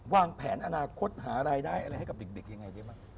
วางแผนอนาคตหารายได้อะไรให้กับเด็กอย่างไรดีมั้ย